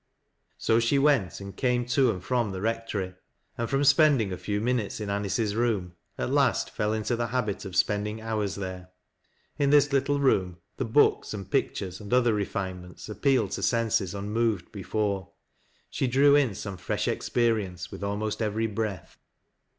So she went and camo to and from the Rectory ; and from spending a few min utes m Anice's room, at last fell into the habit of spend ing houi s there. In this little room the books, and pictures, and othei refinements appealed to senses un moved before. She drew in some fresh experience with almost every breath.